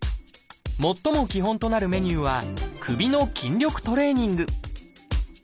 最も基本となるメニューは「首の筋力トレーニング」。